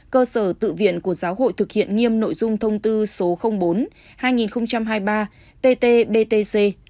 cơ sở tự viện của giáo hội thực hiện nghiêm nội dung thông tư số bốn hai nghìn hai mươi ba tt btc